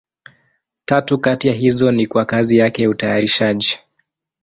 Tatu kati ya hizo ni kwa kazi yake ya utayarishaji.